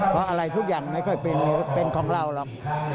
เพราะอะไรทุกอย่างไม่ค่อยเป็นของเราหรอก